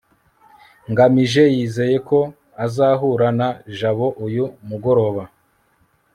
ngamije yizeye ko azahura na jabo uyu mugoroba